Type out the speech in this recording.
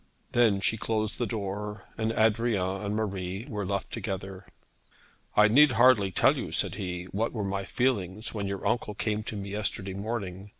Then she closed the door, and Adrian and Marie were left together. 'I need hardly tell you,' said he, 'what were my feelings when your uncle came to me yesterday morning.